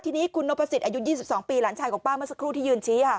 ทีนี้คุณนพสิทธิอายุ๒๒ปีหลานชายของป้าเมื่อสักครู่ที่ยืนชี้ค่ะ